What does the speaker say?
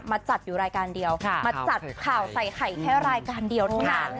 จัดอยู่รายการเดียวมาจัดข่าวใส่ไข่แค่รายการเดียวเท่านั้น